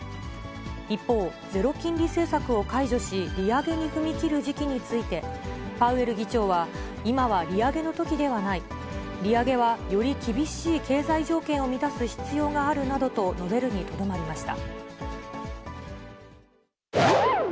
一方、ゼロ金利政策を解除し、利上げに踏み切る時期について、パウエル議長は、今は利上げのときではない、利上げは、より厳しい経済条件を満たす必要があるなどと述べるにとどまりました。